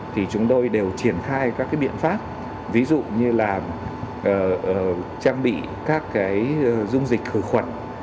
thì chúng tôi đều triển khai các biện pháp ví dụ như là trang bị các dung dịch khử khuẩn